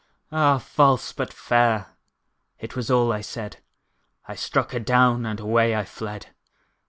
"Ah false, but fair!" It was all I said, I struck her down, and away I fled.